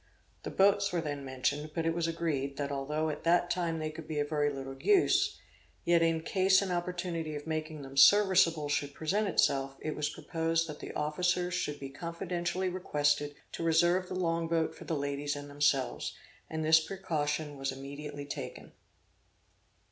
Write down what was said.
The boats were then mentioned, but it was agreed, that although at that time they could be of very little use, yet in case an opportunity of making them serviceable should present itself, it was proposed that the officers should be confidentially requested to reserve the long boat for the ladies and themselves; and this precaution was immediately taken.